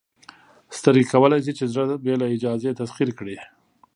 سترګې کولی شي چې زړه بې له اجازې تسخیر کړي.